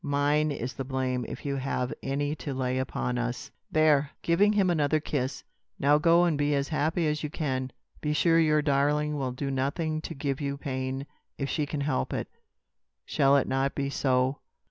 Mine is the blame if you have any to lay upon us. "There!" giving him another kiss, "now go and be as happy as you can. Be sure your darling will do nothing to give you pain if she can help it. Shall it not be so?"